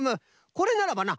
これならばな